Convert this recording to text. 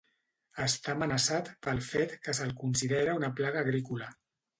Està amenaçat pel fet que se'l considera una plaga agrícola.